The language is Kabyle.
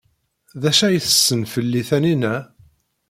D acu ay tessen fell-i Taninna?